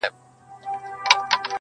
اختر چي تېر سي بیا به راسي؛